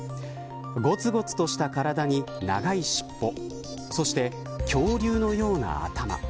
ごつごつとした体に長いしっぽそして、恐竜のような頭。